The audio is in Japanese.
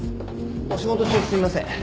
お仕事中すいません。